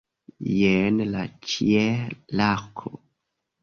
Jen la ĉielarko!